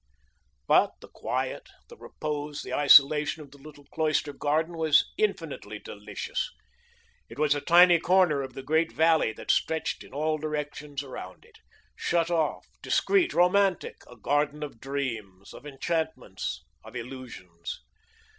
But the quiet, the repose, the isolation of the little cloister garden was infinitely delicious. It was a tiny corner of the great valley that stretched in all directions around it shut off, discreet, romantic, a garden of dreams, of enchantments, of illusions.